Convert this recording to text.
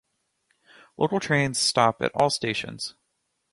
Local trains stop at all stations.